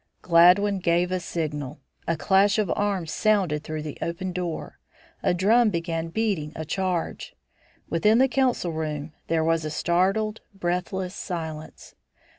Gladwin gave a signal. A clash of arms sounded through the open door. A drum began beating a charge. Within the council room there was a startled, breathless silence.